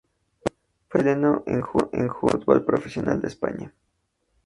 Fue el primer chileno en jugar en el fútbol profesional de España.